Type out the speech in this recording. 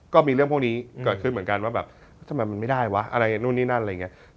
ก็มีเรื่องพวกนี้เกิดขึ้นเหมือนกันว่าแบบทำไมมันไม่ได้วะอะไรนู่นนี่นั่นอะไรอย่างนี้